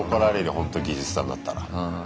ほんと技術さんだったら。